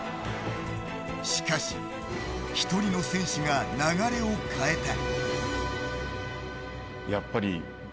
しかし１人の選手が流れを変えた。